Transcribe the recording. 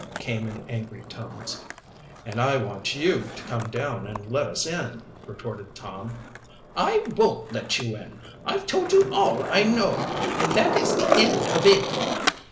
came in angry tones. "And I want you to come down and let us in," retorted Tom. "I won't let you in. I've told you all I know, and that is the end of it."